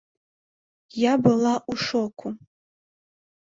Я была ў шоку.